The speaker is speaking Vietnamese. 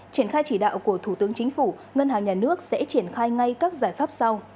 triển khai chỉ đạo của thủ tướng chính phủ ngân hàng nhà nước sẽ triển khai ngay các giải pháp sau